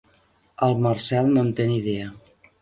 El Marcel no en té ni idea.